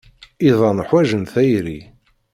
Iḍan ḥwajen tayri.